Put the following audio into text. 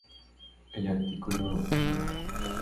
El Artículo No.